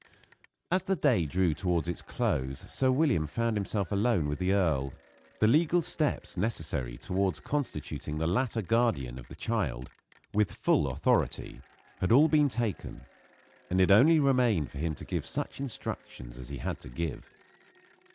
As the day drew towards its close Sir William found himself alone with the earl. The legal steps necessary towards constituting the latter guardian of the child, with full authority, had all been taken, and it only remained for him to give such instructions as he had to give.